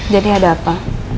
jadi ada apa